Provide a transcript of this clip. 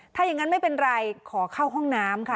ถ้าอย่างนั้นไม่เป็นไรขอเข้าห้องน้ำค่ะ